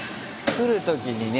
来る時にね